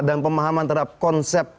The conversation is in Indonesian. dan pemahaman terhadap konsep